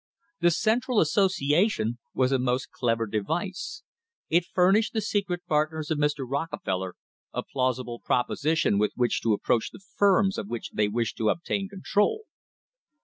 The Central Associ ation was a most clever device. It furnished the secret partners^ of Mr. Rockefeller a plausible proposition with which to approach the firms of which they wished to obtain control.